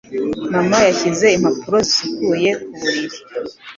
Mama yashyize impapuro zisukuye ku buriri.